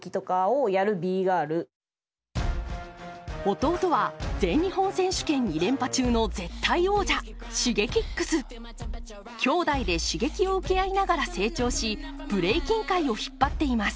弟は全日本選手権２連覇中の絶対王者きょうだいで刺激を受け合いながら成長しブレイキン界を引っ張っています。